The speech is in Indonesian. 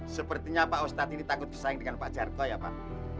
sepertinya pak ustadz ini takut bersaing dengan pak jargo ya pak